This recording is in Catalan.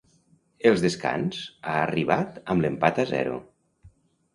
Els descans ha arribat amb l'empat a zero.